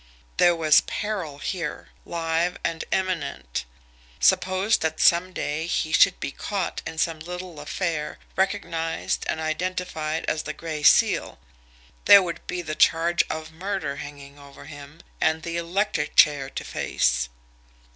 There was peril here, live and imminent. Suppose that some day he should be caught in some little affair, recognised and identified as the Gray Seal, there would be the charge of murder hanging over him and the electric chair to face!